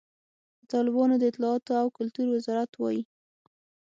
د طالبانو د اطلاعاتو او کلتور وزارت وایي،